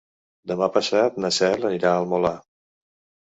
Demà passat na Cel anirà al Molar.